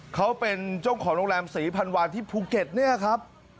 เขาเป็นเจ้าของโรงแรมศรีพันวาที่ภูเก็ตเนี่ยครับ